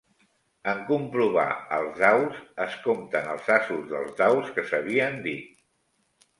En comprovar els daus, es compten els asos dels daus que s'havien dit.